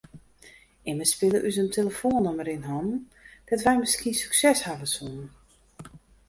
Immen spile ús in telefoannûmer yn hannen dêr't wy miskien sukses hawwe soene.